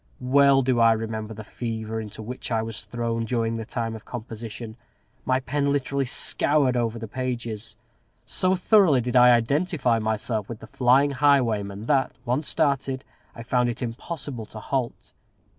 Well do I remember the fever into which I was thrown during the time of composition. My pen literally scoured over the pages. So thoroughly did I identify myself with the flying highwayman, that, once started, I found it impossible to halt.